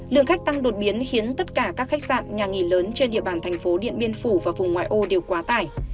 lượng khách tăng đột biến khiến tất cả các khách sạn nhà nghỉ lớn trên địa bàn thành phố điện biên phủ và vùng ngoại ô đều quá tải